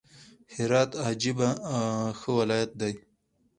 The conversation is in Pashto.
هرات عجبه ښه ولايت دئ!